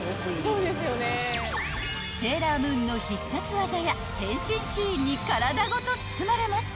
［セーラームーンの必殺技や変身シーンに体ごと包まれます］